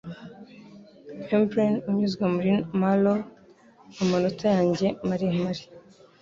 Membrane unyuze muri marrow, amanota yanjye maremare